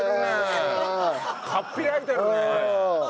かっ開いてるね。